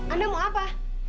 anda mau apa